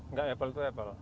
nggak apple itu apple